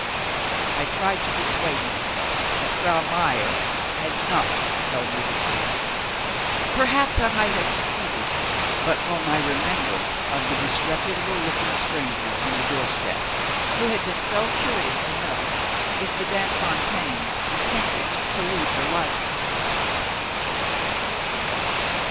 I tried to persuade myself that Frau Meyer had not told me the truth. Perhaps I might have succeeded but for my remembrance of the disreputable looking stranger on the door step, who had been so curious to know if Madame Fontaine intended to leave her lodgings.